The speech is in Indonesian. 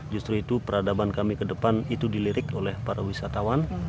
justru itu peradaban kami ke depan itu dilirik oleh para wisatawan